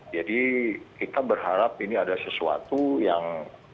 kita berharap ini ada sesuatu yang